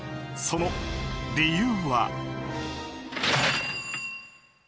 その理由は。